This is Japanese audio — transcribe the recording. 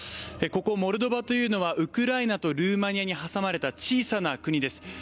ここモルドバというのはウクライナとルーマニアに挟まれた小さな国です。